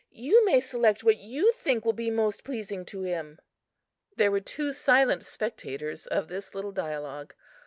You may select what you think will be most pleasing to him." There were two silent spectators of this little dialogue.